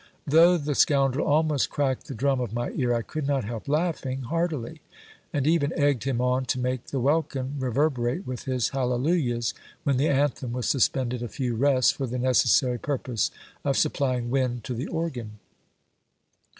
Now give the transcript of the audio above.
Though the scoundrel almost cracked the drum of my ear, I could not help laughing heartily; and even egged him on to make the welkin reverberate with his hallelujahs, when the anthem was suspended a few rests, for the necessary purpose of supplying wind to the organ.